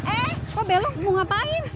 eh kok belok mau ngapain